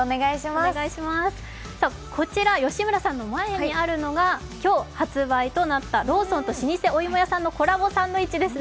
こちら吉村さんの前にあるのが今日発売となった、ローソンと老舗お芋屋さんのコラボサンドイッチです。